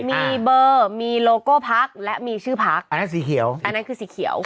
มีเบอร์มีโลโก้พักและมีชื่อพักอันนั้นคือสีเขียว